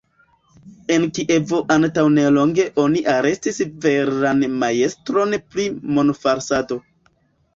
En Kievo antaŭ nelonge oni arestis veran majstron pri monfalsado.